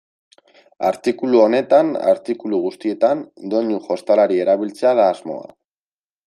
Artikulu honetan, artikulu guztietan, doinu jostalari erabiltzea da asmoa.